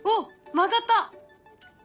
曲がった！